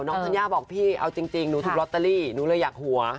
ธัญญาบอกพี่เอาจริงหนูถูกลอตเตอรี่หนูเลยอยากหัว